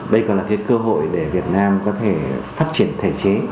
đây còn là cái cơ hội để việt nam có thể phát triển thể chế